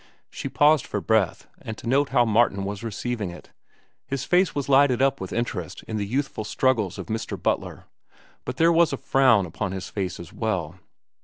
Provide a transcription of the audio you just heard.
She paused for breath, and to note how Martin was receiving it. His face was lighted up with interest in the youthful struggles of Mr. Butler; but there was a frown upon his face as well.